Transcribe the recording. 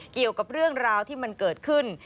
เกี่ยวกับเรื่องราวที่มันเกิดขึ้น